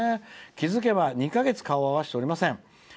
「気付けば２か月顔を合わせておりません。